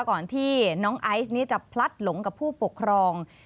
ก่อนที่น้องไอซ์นี้จะพลัดหลงกับผู้ปกครอง